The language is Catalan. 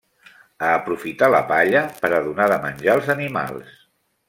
A aprofitar la palla per a donar de menjar els animals.